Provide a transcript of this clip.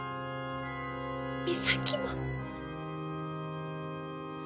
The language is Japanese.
美咲も。